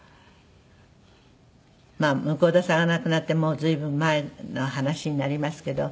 まあ向田さんが亡くなってもう随分前の話になりますけど。